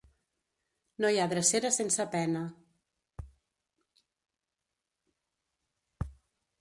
No hi ha drecera sense pena.